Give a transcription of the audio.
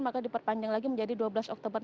maka diperpanjang lagi menjadi dua belas oktober